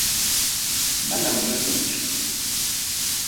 Manam riqiitsu.